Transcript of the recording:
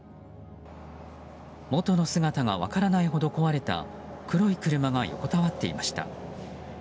元の姿が分からないほど壊れた黒い車が横たわっていました。